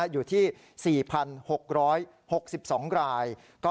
อยู่ที่๔๖๖๒ราย